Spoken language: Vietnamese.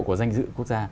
của doanh dự quốc gia